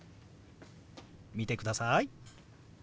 見てください。